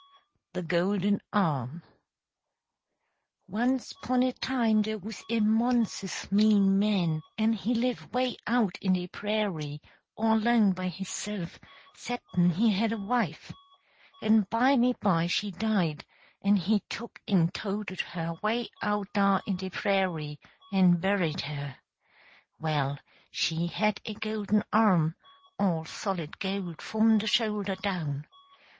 THE GOLDEN ARM. Once 'pon a time dey wuz a monsus mean man, en he live 'way out in de prairie all 'lone by hisself, 'cep'n he had a wife. En bimeby she died, en he tuck en toted her way out dah in de prairie en buried her. Well, she had a golden arm all solid gold, fum de shoulder down.